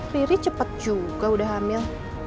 riri cepet juga udah hamil